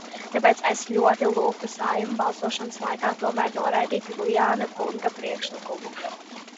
Tāpēc es ļoti lūgtu Saeimu balsošanas laikā tomēr noraidīt Lujāna kunga priekšlikumu.